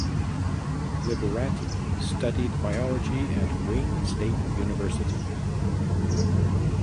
Liberati studied biology at Wayne State University.